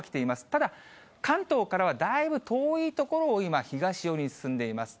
ただ、関東からはだいぶ遠い所を今、東寄りに進んでいます。